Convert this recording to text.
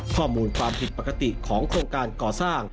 ความผิดปกติของโครงการก่อสร้าง